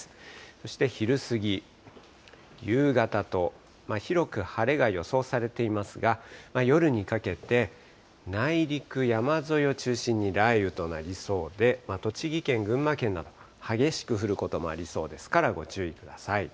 そして昼過ぎ、夕方と、広く晴れが予想されていますが、夜にかけて、内陸、山沿いを中心に雷雨となりそうで、栃木県、群馬県など激しく降ることもありそうですから、ご注意ください。